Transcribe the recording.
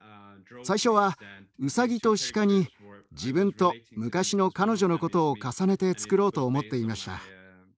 最初はウサギとシカに自分と昔の彼女のことを重ねて作ろうと思っていました。